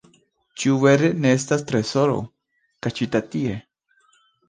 Ĉu vere ne estas trezoro, kaŝita tie?